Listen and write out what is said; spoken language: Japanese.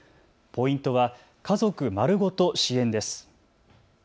ポイントは家族丸ごと支援です。